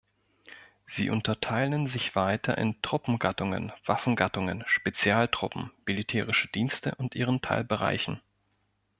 Sie unterteilen sich weiter in Truppengattungen, Waffengattungen, Spezialtruppen, militärische Dienste und ihren Teilbereichen.